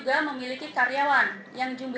ya monggo kita jalankan kembali